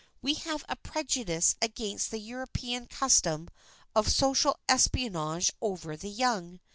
We have a prejudice against the European custom of social espionage over the young.